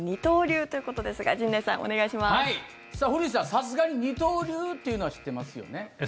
さすがに二刀流っていうのは知ってますよね？